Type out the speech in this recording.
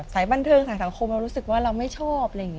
ศายบรรเทิงศายสังคมเรารู้สึกว่าเราไม่ชอบ